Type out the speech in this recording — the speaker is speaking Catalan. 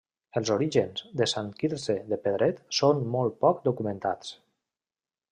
Els orígens de Sant Quirze de Pedret són molt poc documentats.